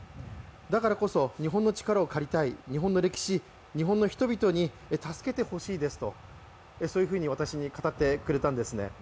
だからこそ、日本の力を借りたい日本の歴史、日本の人々に助けてほしいですとそういうふうに私に語ってくれたんですね。